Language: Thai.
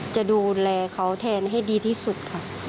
จะดูแลเขาแทนให้ดีที่สุดค่ะ